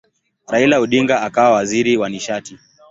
Raila Odinga akawa waziri wa nishati.